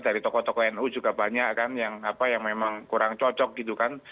dari tokoh tokoh nu juga banyak kan yang memang kurang cocok gitu kan